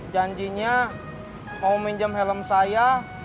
janjinya mau minjem helm saya